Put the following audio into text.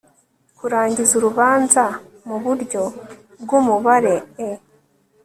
kurangiza urubanza mu buryo bw umubare e